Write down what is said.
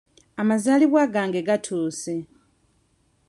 Amazaalibwa gange gatuuse.